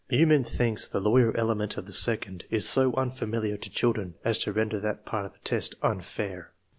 Meumann thinks the lawyer element of the second is so unfamiliar to children as to render that part of the test unfair.